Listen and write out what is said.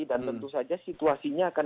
dan tentu saja situasinya akan